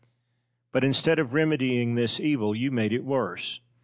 But, instead of remedying this evil, you made it worse.